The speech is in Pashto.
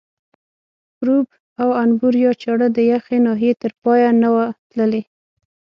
پروب او انبور یا چاړه د یخې ناحیې تر پایه نه وه تللې.